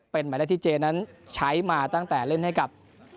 เป็นหมายเลขที่เจนั้นใช้มาตั้งแต่เล่นให้กับ